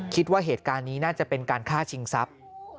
คิดว่าเหตุการณ์นี้น่าจะเป็นการฆ่าชิงทรัพย์